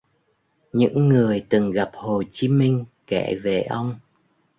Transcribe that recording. Những người từng gặp Hồ Chí Minh kể về ông